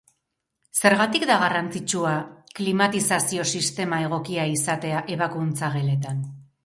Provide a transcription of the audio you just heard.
Zergatik da garrantzitsua klimatizazio-sistema egokia izatea ebakuntza-geletan?